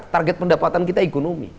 target pendapatan kita ekonomi